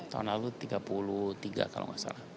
tahun lalu tiga puluh tiga kalau nggak salah